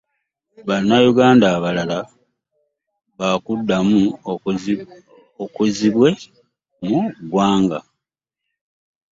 Bannayuganda abalala ba kuddamu okuzzibwa mu ggwanga